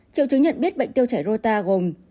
triệu chứng nhận biết bệnh tiêu chảy rota gồm